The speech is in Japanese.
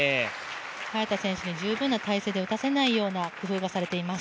早田選手に十分な体勢で打たせないような工夫がされています。